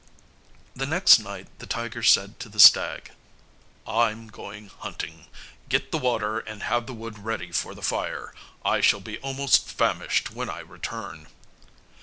The next night the tiger said to the stag, "I'm going hunting. Get the water and have the wood ready for the fire. I shall be almost famished when I return."